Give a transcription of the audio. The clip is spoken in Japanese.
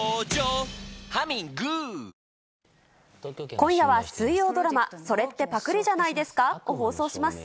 今夜は水曜ドラマ、それってパクリじゃないですか？を放送します。